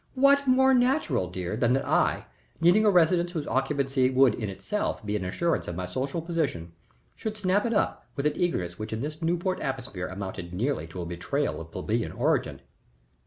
What more natural, dear, than that I, needing a residence whose occupancy would in itself be an assurance of my social position, should snap it up with an eagerness which in this Newport atmosphere amounted nearly to a betrayal of plebeian origin?"